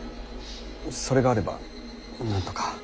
それがあればなんとか。